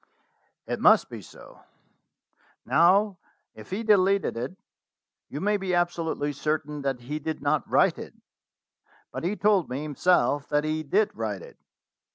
"It must be so. Now, if he deleted it, you may be absolutely certain that he did not write it." "But he told me himself that he did write it."